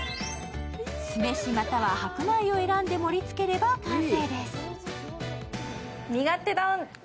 酢飯または白米を選んで盛り付ければ完成です。